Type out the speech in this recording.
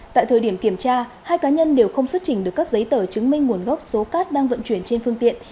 tại thời điểm kiểm tra hai cá nhân đều không xuất trình được các giấy tờ chứng minh nguồn gốc số cát đang vận chuyển trên phương tiện